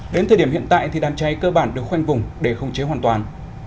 đến thời điểm hiện tại thì đám cháy cơ bản được khoanh vùng để không chế hoàn toàn